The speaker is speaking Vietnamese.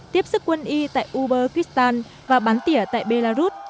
tiếp sức quân y tại uber kistan và bán tỉa tại belarus